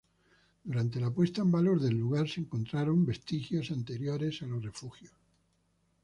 Durante la puesta en valor del lugar, se encontraron vestigios anteriores a los refugios.